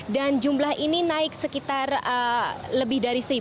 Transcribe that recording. dan jumlah ini naik sekitar lebih dari satu